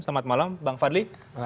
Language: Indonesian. selamat malam bang fadli